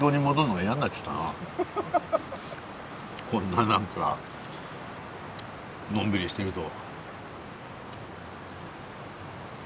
こんな何かのんびりしてると。